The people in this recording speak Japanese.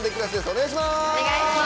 お願いします！